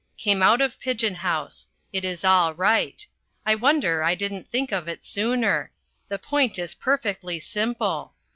Came out of pigeon house. It is all right. I wonder I didn't think of it sooner. The point is perfectly simple.